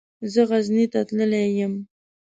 زه غزني ته تللی يم.